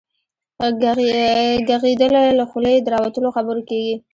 ږغيدل له خولې د راوتلو خبرو کيږي.